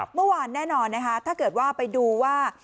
เมื่อวานแน่นอนนะคะถ้าเกิดว่าไปดูว่า